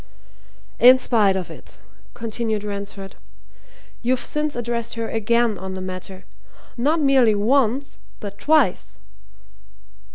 "In spite of it," continued Ransford, "you've since addressed her again on the matter not merely once, but twice."